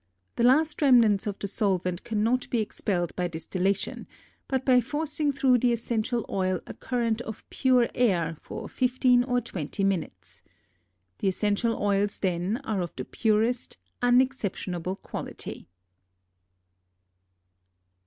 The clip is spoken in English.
The last remnants of the solvent cannot be expelled by distillation, but by forcing through the essential oil a current of pure air for fifteen or twenty minutes. The essential oils then are of the purest, unexceptionable quality.